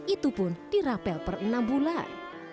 itu pun dirapel per enam bulan